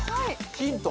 ヒント？